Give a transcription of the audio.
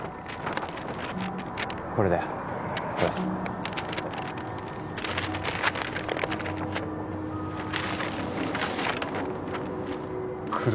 これだよこれ